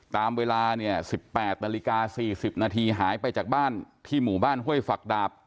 ตามเวลาเนี่ย๑๘นาฬิกา๔๐นาทีหายไปจากบ้านที่หมู่บ้านห้วยฝักดาบ